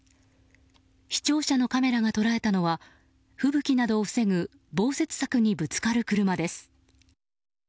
視聴者のカメラが捉えたのは吹雪などを防ぐ防雪柵にぶつかる車です。